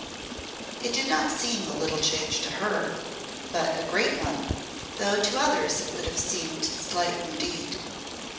It did not seem a little change to her, but a great one, though to others it would have seemed slight indeed.